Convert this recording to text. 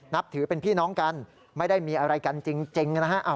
นับถือเป็นพี่น้องกันไม่ได้มีอะไรกันจริงนะฮะ